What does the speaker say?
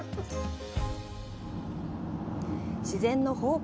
自然の宝庫